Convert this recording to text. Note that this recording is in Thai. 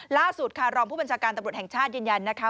ล่าสุดค่ะรองผู้บัญชาการตำรวจแห่งชาติยืนยันนะคะ